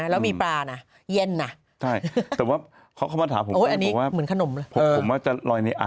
อันนี้ตามโรงแรมค่อยรอยในสระว่ายน้ำ